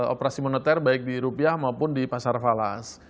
operasi moneter baik di rupiah maupun di pasar falas